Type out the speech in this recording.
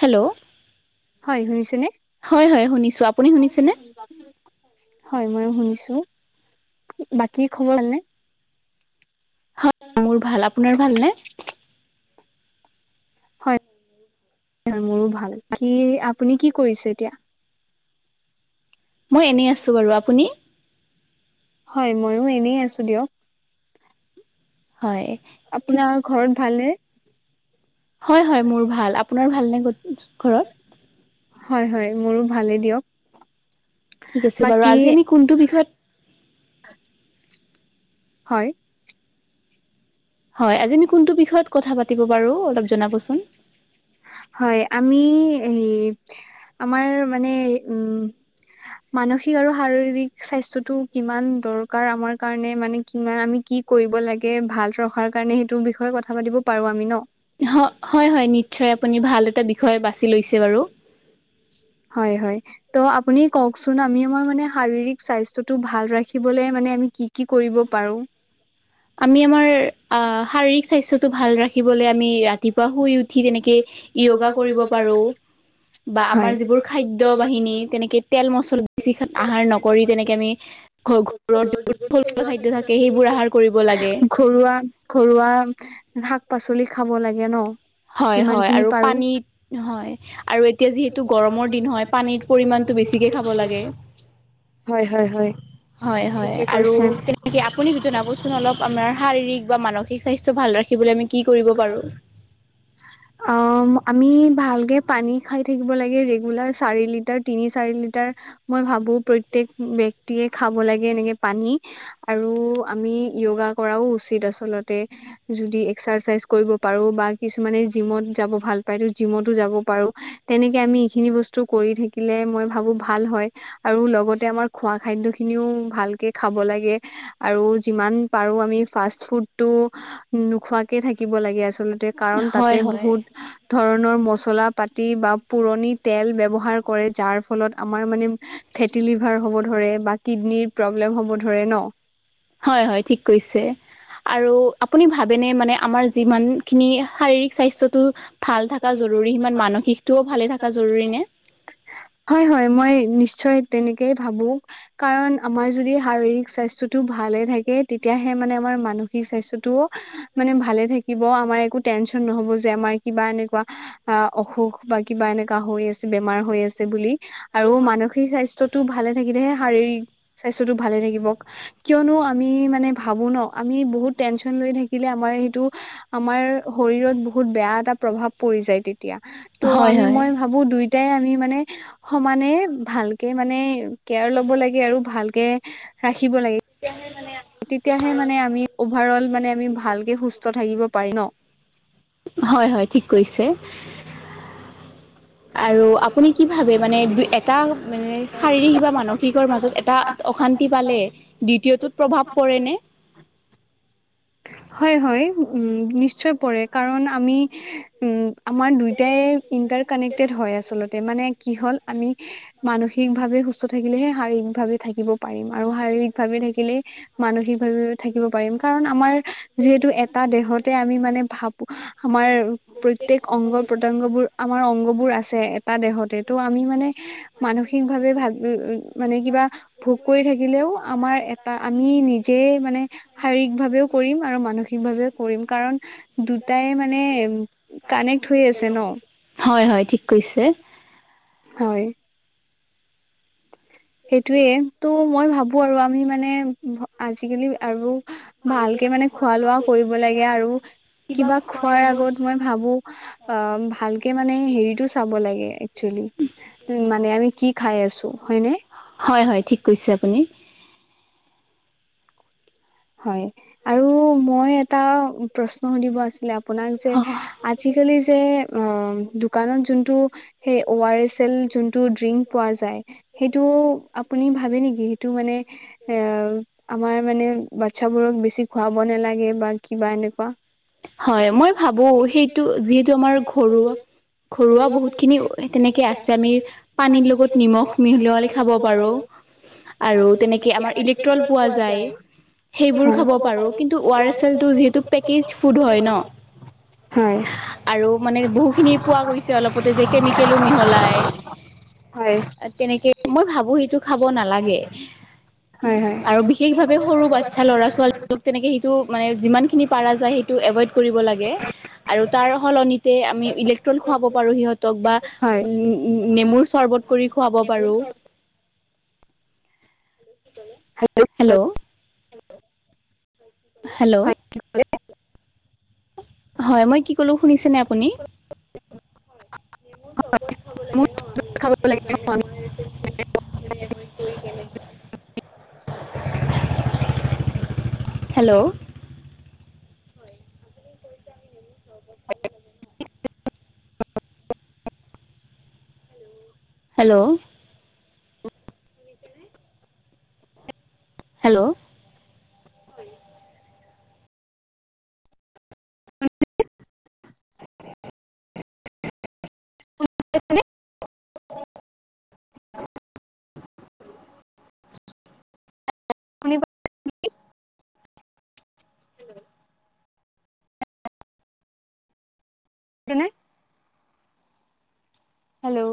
Hello হয় হয় শুনিছো আপুনি শুনিছেনে? [unintelligible] হয় ময়ো শুনিছো বাকী খবৰ ভালনে? মোৰ ভাল আপোনাৰ ভালনে? মোৰো ভাল কি আপুনি কি কৰিছে এতিয়া? মই এনেই আছো বাৰু আপুনি? হয়, ময়ো এনেই আছো দিয়ক। হয়। আপোনাৰ ঘৰত ভালনে? হয় হয় মোৰ ভাল আপোনাৰ ভাল নে ঘৰত? হয়, হয় মোৰো ভালে দিয়ক। ঠিক আছে বাৰু আজি আমি কোনটো বিষয়ত। হয়। হয় আজি আমি কোনটো বিষয়ত কথা পাতিব বাৰু? অলপ জনাবচোন। হয়, আমি হ আমাৰ মানে উম। মানসিক আৰু শাৰীৰিক স্বাস্থ্যতটো কিমান দৰকাৰ আমাৰ কাৰণে মানে কিমান আমি কি। কৰিব লাগে ভাল ৰখাৰ কাৰণে সেইটো বিষয়ে কথা পাতিব পাৰো আমি ন? হয়, হয় নিশ্চয় আপুনি ভাল এটা বিষয় বাছি লৈছে বাৰু। হয় হয়। ত' আপুনি কওকচোন আমি আমাৰ মানে শাৰীৰিক স্বাস্থ্যটো ভাল ৰাখিবলে মানে আমি কি? কি কৰিব পাৰো? আমি আমাৰ আহ শাৰীৰিক স্বাস্থ্যটো ভাল ৰাখিবলে আমি ৰাতিপুৱা শুই উঠি তেনেকে। য়োগা কৰিব পাৰো। বা আমাৰ যিবোৰ খাদ্য বাহিনী তেনেকে তেল মচলা বেছি আহাৰ নকৰি তেনেকে আমি। ঘ ঘৰত যোৰ থলুৱা খাদ্য থাকে সেইবোৰ আহাৰ কৰিব লাগে। ঘৰুৱা, ঘৰুৱা শাক পাচলি খাব লাগে ন? হয় হয় আৰু। পানীত হয়, আৰু এতিয়া যিহেতু গৰমৰ দিন হয়, পানীৰ পৰিমাণটো বেছিকে খাব লাগে। হয়, হয়, হয়। হয়, হয় আৰু তেনেকে আপুনি জনাবচোন অলপ আমাৰ শাৰীৰিক বা মানসিক স্বাস্থ্য ভাল ৰা [unintelligible] অ আমি ভালকে পানী খাই থাকিব লাগে ৰেগুলাৰ চাৰি লিটাৰ তিনি চাৰি লিটাৰ। মই ভাবো প্ৰত্যয়েক ব্য্ক্তিয়ে খাব লাগে এনেকে পানী আৰু আমি য়োগা কৰাও উচিত আচলতে যদি এক্সাৰচাইজ কৰিব পাৰো বা কিছুমানে জিমত যাব ভাল পায় জিমতো যাব পাৰো। তেনেকে আমি এইখিনি বস্তু কৰি থাকিলে মই ভাবো ভাল হয়। আৰু লগতে আমাৰ খোৱা খাদ্য খিনিও ভালকে খাব লাগে। আৰু যিমান পাৰো আমি ফা ফুড থাকিব লাগে আচলতে কাৰণ তাতে বহুত ধৰণৰ মচলা পাতি বা পুৰণি তেল ব্য্ৱহাৰ কৰে যাৰ ফলত আমাৰ মানে ফেটি লিভাৰ হ'ব ধৰে বা কিডনীৰ প্ৰব্লেম হ'ব ধৰে ন! হয় হয় ঠিক কৈছে আৰু আপুনি ভাবেনে মানে আমাৰ যিমানখিনি শাৰীৰিক স্বাস্থ্যয়টো ভাল থকা জৰুৰী সিমান মানসিকতটোও ভালে থকা জৰুৰী নে? হয় হয় মই নিশ্চয় তেনেকেই ভাবো কাৰণ আমাৰ যদি শাৰীৰিক স্বাস্থ্যয়টো ভালে থাকে তেতিয়াহে মানে আমাৰ মানসিক স্বাস্থ্যয়টোও মানে ভালে থাকিব আমাৰ একো টেনশচন নহব যে আমাৰ কিবা এনেকুৱা অ' অসুখ বা কিবা এনেকাা হৈ আছে বেমাৰ হৈ আছে বুলি আৰু মানসিক স্বাস্থ্যটো ভালে থাকিলেহে শাৰীৰিক স্বাস্থ্যটো ভালে থাকিব। কিয়নো আমি মানে ভাবো ন আমি বহুত টেনচন লৈ থাকি দিলে আমাৰ সেইটো আমাৰ শৰীৰত বহুত বেয়া এটা প্ৰভাৱ পৰি যায় তেতিয়া। ত' আমি মই ভাবো দুইোটাই আমি মানে সমানে ভালকে মানে কেয়াৰ লব লাগে আৰু ভালকে ৰাখিব লাগে। তেনে মানে আমি তেতিয়াহে মানে আমি অভাৰ অল মানে আমি ভালকে সুস্থ থাকিব পাৰিম ন'। হ [unintelligible] মানে দু এটা মানে শাৰীৰিক বা মানসিকৰ মাজত এটা অশান্তি পালে দ্বিতীয়টোত প্ৰভাৱ পৰেনে? হয় হয় নিশ্চয় পৰে কাৰণ আমি উম' আমাৰ দুয়টাই ইণ্টাৰ কানেক্টেড হয় আচলতে মানে কি হল আমি মানসিক ভাৱে সুস্থ থাকিলেহে শাৰীৰিক ভাৱে থাকিব পাৰিম আৰু শাৰীৰিক ভাৱে থাকিলে মানসিক ভাৱে থাকিব পাৰি। আমাৰ যিহেতু এটা দেহতে আমি মানে ভাবো আমাৰ প্ৰত্যয়েক অংগ প্ৰত্ংগ বোৰ আমাৰ অংগ বোৰ আছে এটা দেহতে তটো আমি মানে মানসিক ভাৱে ভাব মানে কিবা ভোগ কৰি থাকিলেও আমাৰ আমি নিজে মানে শাৰীৰিক ভাৱেও কৰিম আৰু মানসিকভাৱেও কৰিম কাৰণ দুটাই মানে কানেক্ট হৈ আছে ন'। হয় হয় ঠিক কৈছে। হয়। সেইটোয়ে ত' মই ভাবো আৰু আমি মানে আজিকালি আৰু ভালকে মানে খোৱা লোৱা কৰিব লাগে আৰু কিবা খোৱাৰ আগত মই ভাবো অ' ভালকে মানে হেৰিতটো চাব লাগে। উম' মানে আমি কি খাই আছো হয়নে! হয় হয় ঠিক কৈছে আপুনি। হয় আৰু মই এটা প্ৰশ্ন সুধিব আছিলে আপোনাক যে আজিকালি যে অ' দোকানত যোনটো সেই অ, আৰ এছ এল যোনটো ড্ৰিংক পোৱা যায়। সেইটো আপুনি ভাবে নেকি সেইটো মানে এ আমাৰ মানে বাচ্ছাবোৰক বেছি খুৱাব নালাগে বা কিবা এনেকুৱা। হয়, মই ভাবো সেইটো যিহেতু আমাৰ ঘৰুৱা ঘৰুৱা বহুত খিনি তেনেকে আছে আমি পানীৰ লগত নিমখ মিহলল খাব পাৰো। আৰু তেনেকে আমাৰ ইলেক্ট্ৰল পোৱা যায়। সেইবোৰ খাব পাৰো কিন্তু অ, আৰেছ চআৰেছটো যিহেটো পেকেজ ফুড হয় ন। আৰু মানে বহুখিনি পোৱা গৈছে অলপতে যে কেমিকেলো মিহলাই। হয়। তেনেকে মই ভাবো সেইটো খাব নালাগে আৰু বিশেষ ভাৱে সৰু বা চ্ছা ল'ৰা-ছোৱালীক তেনেকে সেইটো মানে যিমানখিনি পাৰা যায় সেইটো এভইড কৰিব লাগে। আৰু তাৰ সলনিতে আমি ইলেক্ট্ৰল খুৱাব পাৰো সিহঁতক বা উ উ, নেমুৰ চৰ্বত কৰি খুৱাব পাৰো। হেল্ল'? হেল্ল'? হেল্ল'? হয়, মই কি ক'লো শুনিছেনে আপুনি? মোৰ চৰ্বত খাব লাগে ন আমিই হেল্ল'? হেল্ল'? হেল্ল'? ধৰিব পৰা নাই। [inaudible] [inaudible] কেনে হেল্ল'?